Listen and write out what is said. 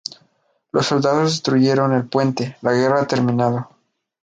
Los soldados destruyeron el puente, la guerra ha terminado